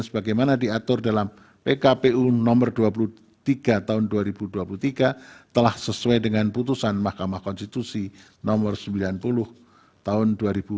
sebagaimana diatur dalam pkpu nomor dua puluh tiga tahun dua ribu dua puluh tiga telah sesuai dengan putusan mahkamah konstitusi nomor sembilan puluh tahun dua ribu dua puluh